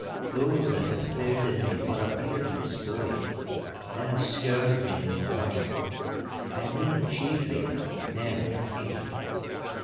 Those that had flouted me for a beardless boy, now scorned me no more. I mean chiefly Nell Kennedy.